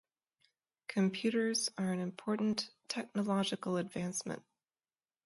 Computers are an important technological advancement.